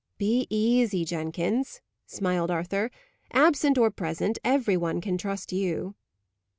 "Be easy, Jenkins," smiled Arthur. "Absent or present, every one can trust you."